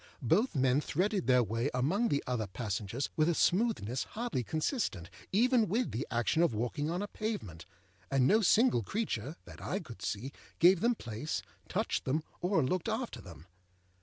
Both men threaded their way among the other passengers with a smoothness hardly consistent even with the action of walking on a pavement; and no single creature, that I could see, gave them place, touched them, or looked after them.